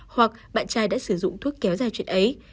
hoặc bạn trai đã sử dụng thuốc kéo ra chuyện ấy